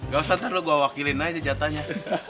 gak usah nanti gue wakilin aja jatahnya